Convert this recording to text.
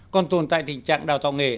còn tồn tại tình trạng đào tạo nghề